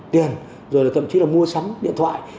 tiền rồi là thậm chí là mua sắm điện thoại